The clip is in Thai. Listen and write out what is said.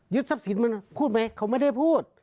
ทรัพย์สินมันพูดไหมเขาไม่ได้พูด